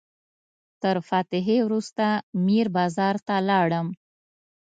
تر فاتحې وروسته میر بازار ته لاړم.